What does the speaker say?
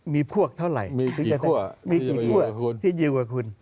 มีพวกเท่าไหร่มีกี่พวกที่ดีกว่าคุณ